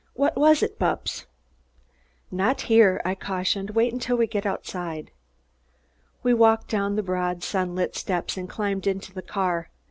What was it, Bupps?" "Not here!" I cautioned. "Wait until we get outside!" We walked down the broad sunlit steps and climbed into the car.